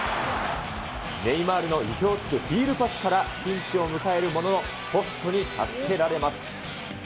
ネイマールの意表をつくヒールパスからピンチを迎えるものの、ポストに助けられます。